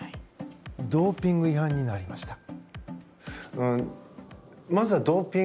ドーピング違反になりました。